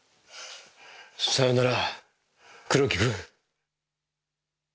さよなら黒木君。